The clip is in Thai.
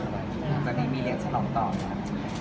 อเจมส์ยังไม่ได้ครับ